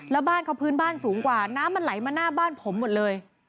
แล้วบ้านเขาพื้นบ้านสูงกว่าน้ำมันไหลมาหน้าบ้านผมหมดเลย